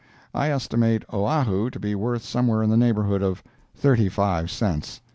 I estimate Oahu to be worth somewhere in the neighborhood of thirty five cents.